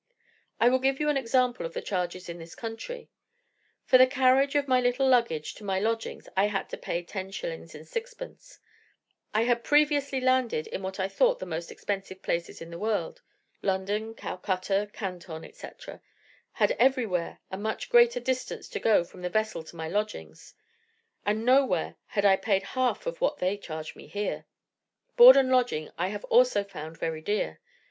I will give you an example of the charges in this country: for the carriage of my little luggage to my lodgings I had to pay 10s. 6d.! I had previously landed in what I thought the most expensive places in the world London, Calcutta, Canton, etc. had everywhere a much greater distance to go from the vessel to my lodgings, and nowhere had I paid half of what they charged me here. Board and lodging I have also found very dear.